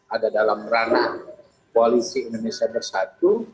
ada dalam ranah koalisi indonesia bersatu